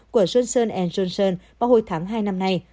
của johnson johnson vào hồi tháng hai năm nay